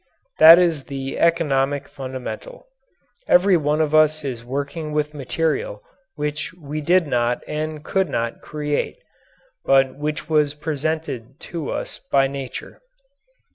That is the economic fundamental: every one of us is working with material which we did not and could not create, but which was presented to us by Nature.